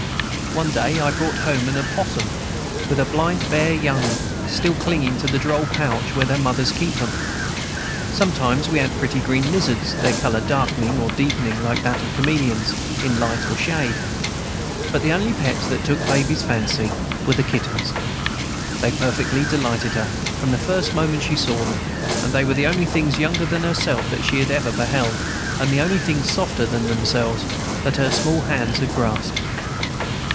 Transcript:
One day I brought home an opossum, with her blind bare little young clinging to the droll pouch where their mothers keep them. Sometimes we had pretty green lizards, their color darkening or deepening, like that of chameleons, in light or shade. But the only pets that took Baby's fancy were the kittens. They perfectly delighted her, from the first moment she saw them; they were the only things younger than herself that she had ever beheld, and the only things softer than themselves that her small hands had grasped.